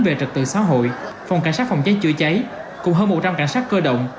về trật tự xã hội phòng cảnh sát phòng cháy chữa cháy cùng hơn một trăm linh cảnh sát cơ động